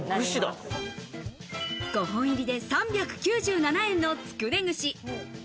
５本入りで３９７円のつくね串。